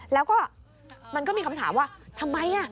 แล้วก็มันก็มีคำถามว่าทำไม